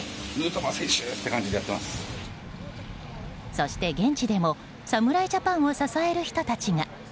そして現地でも侍ジャパンを支える人たちが。